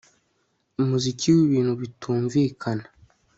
umuziki wibintu bitumvikana